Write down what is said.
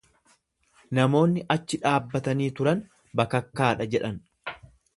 Namoonni achi dhaabbatanii turan, Bakakkaa dha jedhan.